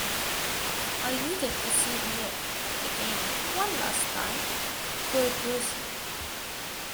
I needed to see her again one last time, for closure.